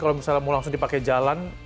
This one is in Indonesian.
kalau mau langsung dipake jalan